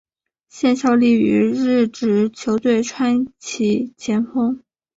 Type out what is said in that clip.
现效力于日职球队川崎前锋。